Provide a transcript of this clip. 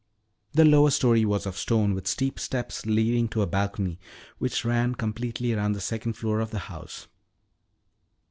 The lower story was of stone with steep steps leading to a balcony which ran completely around the second floor of the house.